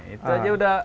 itu aja sudah